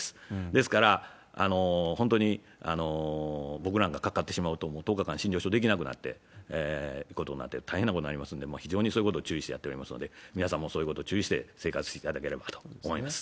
ですから、本当に僕なんか、かかってしまうともう１０日間、診療所できなくなって、大変なことになりますので、もう非常にそういうこと注意してやっておりますので、皆さんもそういうこと注意して生活していただければと思います。